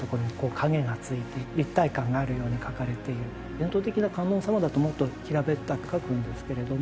伝統的な観音様だともっと平べったく描くんですけれども。